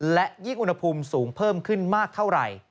และยิ่งอุณหภูมิสูงเพิ่มขึ้นมากเท่าไหร่